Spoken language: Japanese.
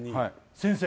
先生